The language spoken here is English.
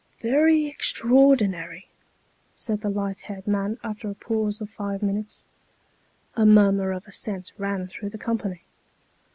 " Very extraordinary !" said the light haired man after a pause of five minutes. A murmur of assent ran through the company.